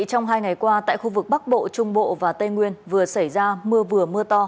trong hai ngày qua tại khu vực bắc bộ trung bộ và tây nguyên vừa xảy ra mưa vừa mưa to